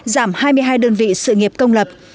giảm hai mươi hai đơn vị sự nghiệp công lập